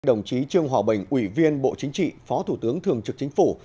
đồng chí trương hòa bình ủy viên bộ chính trị phó thủ tướng thường trực chính phủ